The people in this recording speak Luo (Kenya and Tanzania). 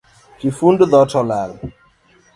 Kifund dhot olal